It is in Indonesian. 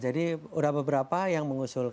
jadi udah beberapa yang mengusulnya